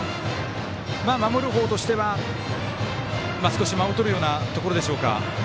守る方としては間をとるようなところでしょうか。